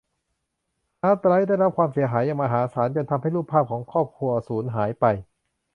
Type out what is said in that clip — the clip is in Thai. ฮาร์ดไดรฟ์ได้รับความเสียหายอย่างมหาศาลจนทำให้รูปภาพของครอบครัวสูญหายไป